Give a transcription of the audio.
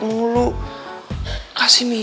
ngurus aja sih